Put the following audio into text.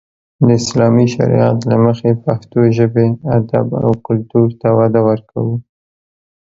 د اسلامي شريعت له مخې پښتو ژبې، ادب او کلتور ته وده ورکو.